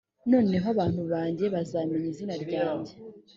noneho abantu banjye bazamenya izina ryanjye